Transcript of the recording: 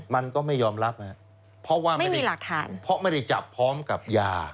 มันก็ไม่ยอมรับไม่มีหลักฐานเพราะไม่ได้จับพร้อมกับยา